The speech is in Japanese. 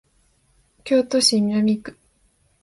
京都市南区